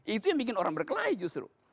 itu yang bikin orang berkelahi justru